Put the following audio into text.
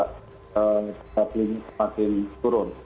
kita lebih semakin turun